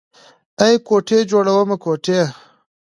ای کوټې جوړومه کوټې.